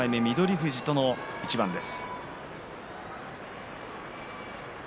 富士との一番です。